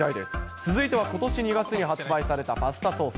続いてはことし２月に発売されたパスタソース。